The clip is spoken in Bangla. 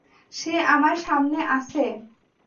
সে আমার সামনে আছে।